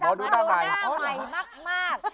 หมอดูหน้าใหม่มาก